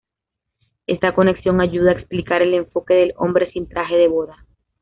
Esta conexión ayuda a explicar el enfoque del hombre sin traje de boda.